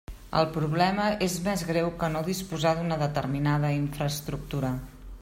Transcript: El problema és més greu que no disposar d'una determinada infraestructura.